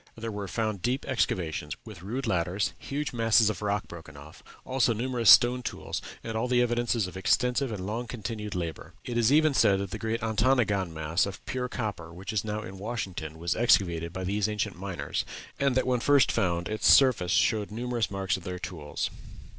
There were found deep excavations, with rude ladders, huge masses of rock broken off, also numerous stone tools, and all the evidences of extensive and long continued labor. It is even said that the great Ontonagon mass of pure copper which is now in Washington was excavated by these ancient miners, and that when first found its surface showed numerous marks of their tools.